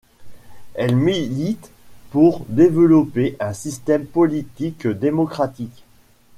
Elle milite pour développer un système politique démocratique.